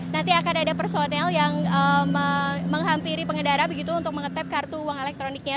nanti akan ada personel yang menghampiri pengendara begitu untuk mengetep kartu uang elektroniknya